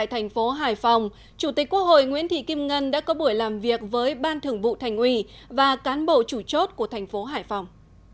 hội nguyễn thị kim ngân đã có buổi làm việc với ban thưởng vụ thành ủy và cán bộ chủ chốt của thành phố hải phòng